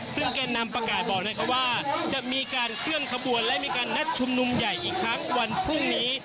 ซึ่งแก่นำประกาศบอกว่าจะมีการเคลื่อนขบวนและมีการนัดชุมนุมใหญ่อีกครั้งวันพรุ่งนี้